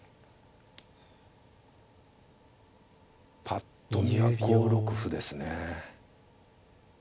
ぱっと見は５六歩ですね。